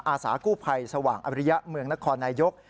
อาสากู้ภัยสว่างอริยะเมืองนครนายก